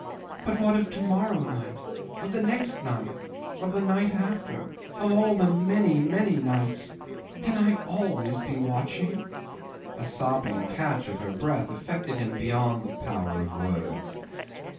But what of to morrow night? Of the next night? Of the night after of all the many, many nights? Can I be always watching?" A sobbing catch of her breath affected him beyond the power of words.